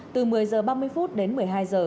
từ một mươi h ba mươi phút đến một mươi hai h